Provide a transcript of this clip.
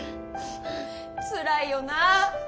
つらいよなあ。